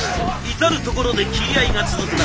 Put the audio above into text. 至る所で斬り合いが続く中。